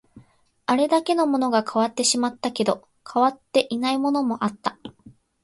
あれだけのものが変わってしまったけど、変わっていないものもあった